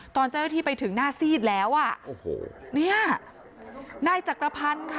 ตอนเจ้าหน้าที่ไปถึงหน้าซีดแล้วอ่ะโอ้โหเนี่ยนายจักรพันธ์ค่ะ